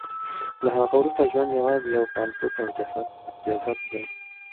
له هغه وروسته ژوند یوازې یو کالبد او جسد دی